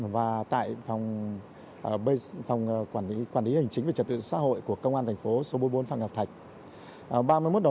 và tại thành phố hà nội các tổ công dân đã được đưa ra